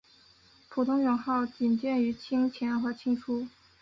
普通勇号仅见于清前和清初。